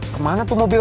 kemana tuh mobil